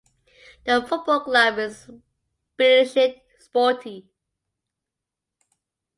The football club is Bilisht Sporti.